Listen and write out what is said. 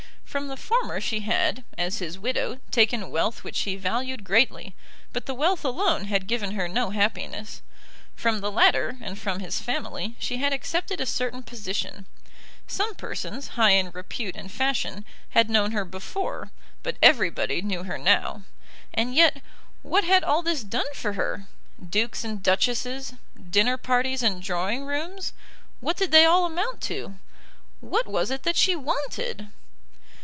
From the former she had, as his widow, taken wealth which she valued greatly; but the wealth alone had given her no happiness. From the latter, and from his family, she had accepted a certain position. Some persons, high in repute and fashion, had known her before, but everybody knew her now. And yet what had all this done for her? Dukes and duchesses, dinner parties and drawing rooms, what did they all amount to? What was it that she wanted?